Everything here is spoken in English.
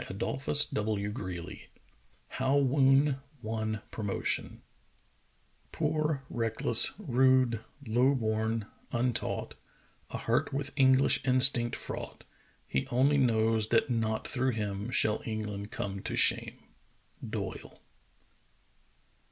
HOW WOON WON PROMOTION HOW WOON WON PROMOTION "Poor, reckless, rude, low born, untaught, A heart with English instinct fraught, He only knows that not through him Shall England come to shame." — Doyle.